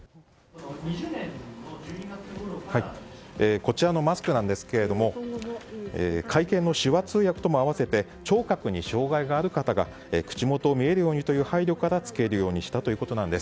こちらのマスクなんですが会見の手話通訳とも合わせて聴覚に障害がある方が口もとを見られるようにという配慮から着けるようにしたということです。